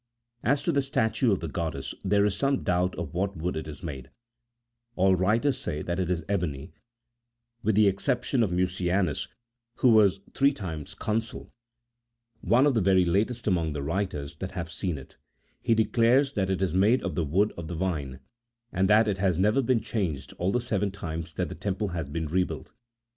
As to the statue of the goddess, there is some doubt oi what wood it is made ; all the writers say that it is ebony, with the exception of Mucianus, who was three times consul, one ot the very latest among the writers that have seen it ; he de clares that it is made of the wood of the vine, and that it has never been changed all the seven times that the temple has been rebuilt.